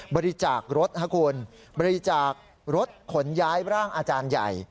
บริจาครถครับคุณบริจาครถขนย้ายร่างอาจารย์ใหญ่